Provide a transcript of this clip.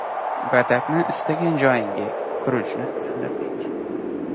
• Batatni istagan joyingga ek, guruchni tanlab ek.